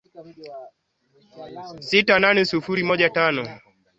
sita nne sufuri moja tano